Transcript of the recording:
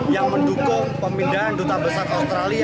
yang mendukung pemindahan duta besar australia